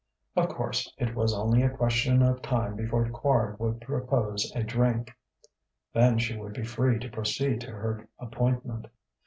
Of course, it was only a question of time before Quard would propose a drink. Then she would be free to proceed to her appointment.